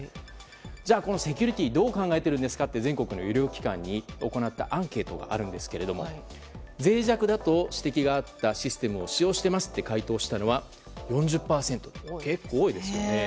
じゃあ、セキュリティーどう考えているんですかと全国の医療機関に行ったアンケートがありますがぜい弱だと指摘があったシステムを使用してますと回答したのは４０％と結構多いですよね。